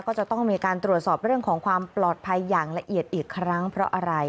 ก็จะต้องมีการตรวจสอบเรื่องของความปลอดภัยอย่างละเอียดอีกครั้งเพราะอะไร